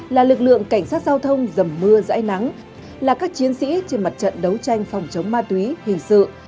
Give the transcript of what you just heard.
là lực lượng cảnh sát giao thông dầm mưa dãi nắng là các chiến sĩ trên mặt trận đấu tranh phòng chống ma túy hình sự